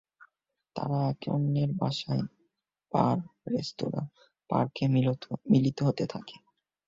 তারা একে অন্যের বাসায়, বার, রেস্তোরাঁ, পার্কে মিলিত হতে থাকে।